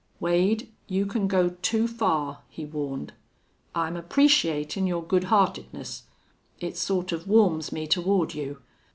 "Wade, you can go too far," he warned. "I'm appreciatin' your good heartedness. It sort of warms me toward you....